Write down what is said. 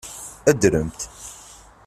Adremt.